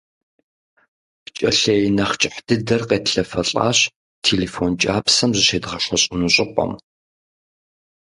ПкӀэлъей нэхъ кӀыхь дыдэр къетлъэфэлӀащ телефон кӀапсэм зыщедгъэшэщӀыну щӀыпӀэм.